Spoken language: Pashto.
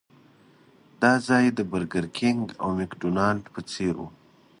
دا ځای د برګر کېنګ او مکډانلډ په څېر و.